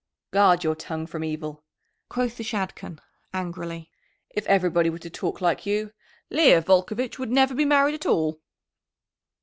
"Guard your tongue from evil," quoth the Shadchan angrily. "If everybody were to talk like you, Leah Volcovitch would never be married at all."